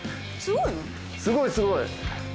すごいすごい。